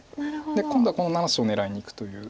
今度はこの７子を狙いにいくという。